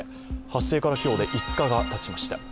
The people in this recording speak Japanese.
発生から今日で５日がたちました。